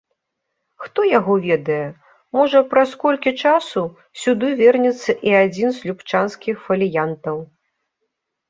Хто яго ведае, можа праз колькі часу сюды вернецца і адзін з любчанскіх фаліянтаў.